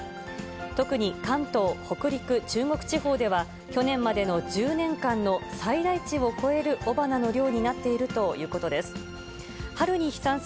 特に関東、北陸、中国地方では、去年までの１０年間の最大値を超える雄花の量になっているということです。